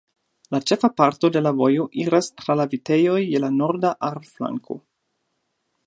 La ĉefa parto de la vojo iras tra la vitejoj je la norda Ahr-flanko.